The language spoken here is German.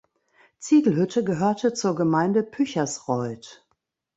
Ziegelhütte gehörte zur Gemeinde Püchersreuth.